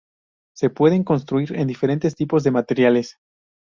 Se pueden construir en diferentes tipos de materiales.